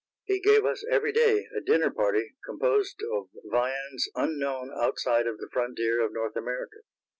He gave us every day a dinner party composed of viands unknown outside of the frontier of North America.